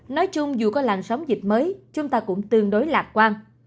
nói chung dù có làn sóng dịch mới chúng ta cũng tương đối lạc quan